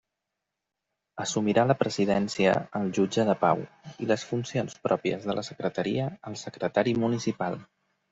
Assumirà la presidència el jutge de pau, i les funcions pròpies de la secretaria, el secretari municipal.